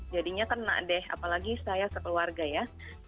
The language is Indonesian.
jadinya kena deh apalagi saya sekeluarga ya